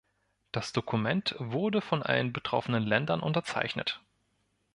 Das Dokument wurde von allen betroffenen Ländern unterzeichnet.